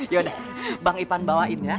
yaudah bang ipan bawain ya